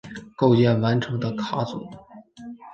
构建完成的卡组。